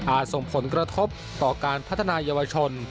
ส่งผลกระทบต่อการพัฒนายาวชน